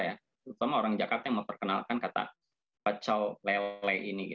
terutama orang jakarta yang memperkenalkan kata pecelele ini